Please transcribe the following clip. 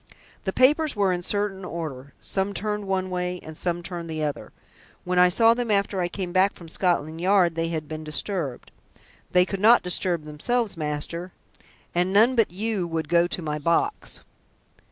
"The papers were in certain order some turned one way and some turned the other. When I saw them after I came back from Scotland Yard they had been disturbed. They could not disturb themselves, master, and none but you would go to my box."